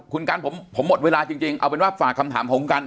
คุณกันผมหมดเวลาจริงเอาเป็นว่าฝากคำถามของคุณกัน